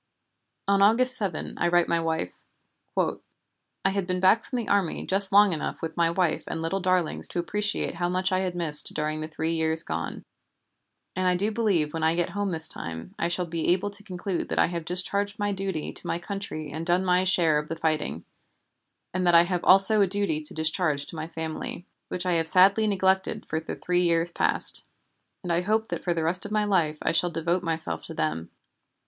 On August 7 I write my wife: "I had been back from the army just long enough with my wife and little darlings to appreciate how much I had missed during the three years gone, and I do believe when I get home this time I shall be able to conclude that I have discharged my duty to my country and done my share of the fighting, and that I have also a duty to discharge to my family, which I have sadly neglected for the three years past; and I hope that for the rest of my life I shall devote myself to them.